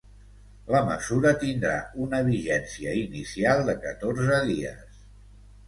La mesura tindrà una vigència inicial de catorze dies.